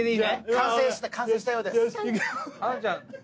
完成したようです